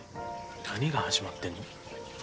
何が始まってんの？